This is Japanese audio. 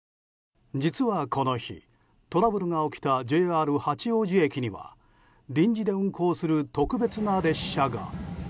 実はこの日、トラブルが起きたＪＲ八王子駅には臨時で運行する特別な列車が。